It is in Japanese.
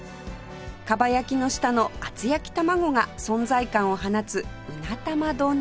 かば焼きの下の厚焼き卵が存在感を放つ鰻玉丼に